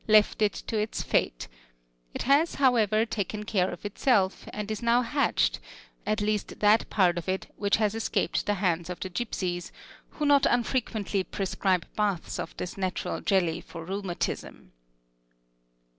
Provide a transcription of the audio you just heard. left it to its fate; it has, however, taken care of itself, and is now hatched, at least that part of it which has escaped the hands of the gipsies, who not unfrequently prescribe baths of this natural jelly for rheumatism....